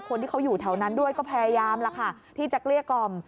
คนที่เขาอยู่แถวนั้นด้วยก็พยายามแล้วค่ะที่จะเกลี้ยกล่อม